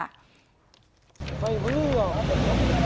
กลับบื้อไม่ได้